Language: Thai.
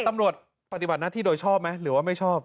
ตำรวจปฏิบัติหน้าที่โดยชอบไหมหรือว่าไม่ชอบ